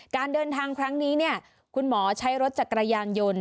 การเดินทางครั้งนี้คุณหมอใช้รถจักรยานยนต์